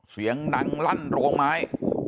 เสียงดังลั่นโรงไม้